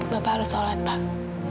bapak harus sholat pak